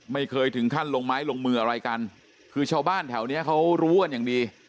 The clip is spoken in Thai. ไม่เคยถึงขั้นลงไม้ลงมืออะไรกันคือชาวบ้านแถวเนี้ยเขารู้กันอย่างดี